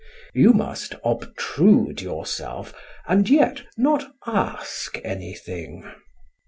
You must obtrude yourself and yet not ask anything.